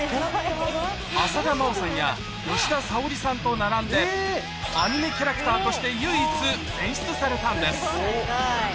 浅田真央さんや吉田沙保里さんと並んで、アニメキャラクターとして唯一選出されたんです。